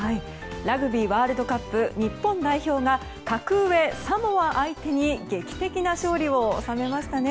ラグビーワールドカップ日本代表が格上、サモア相手に劇的な勝利を収めましたね。